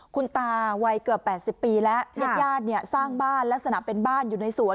คุณตาวัยเกือบ๘๐ปีแล้วเทศญาณสร้างบ้านและสนับเป็นบ้านอยู่ในสวน